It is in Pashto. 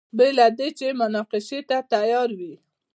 بې له دې چې مناقشې ته تیار وي.